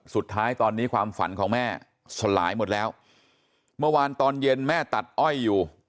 สุดท้ายตอนนี้ความฝันของแม่สลายหมดแล้วเมื่อวานตอนเย็นแม่ตัดอ้อยอยู่